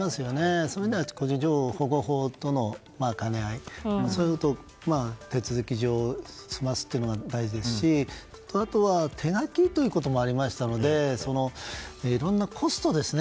そういう意味では個人情報保護法との兼ね合いをどうするか手続き上済ますのは大事ですしあとは、手書きということもありましたのでいろんなコストですね。